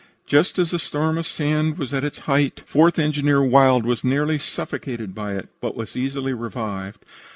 "Just as the storm of sand was at its height, Fourth Engineer Wild was nearly suffocated by it, but was easily revived.